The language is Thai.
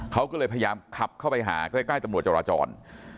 เขาก็เลยพยายามขับเข้าไปหาใกล้ตำรวจจราจร